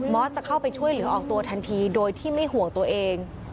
จะเข้าไปช่วยเหลือออกตัวทันทีโดยที่ไม่ห่วงตัวเอง